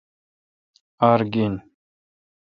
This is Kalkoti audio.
آر گین۔